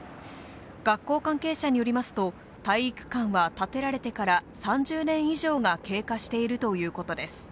学校関係者によりますと、体育館は建てられてから３０年以上が経過しているということです。